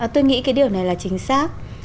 tôi nghĩ cái điều này là chính xác